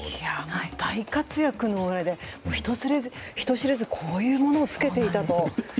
大活躍の裏で人知れずこういうものを着けていたと。